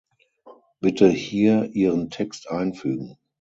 Bitte hier Ihren Text einfügen.